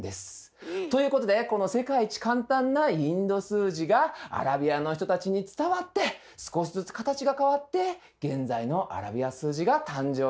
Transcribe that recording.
ということでこの世界一簡単なインド数字がアラビアの人たちに伝わって少しずつ形が変わって現在のアラビア数字が誕生しました。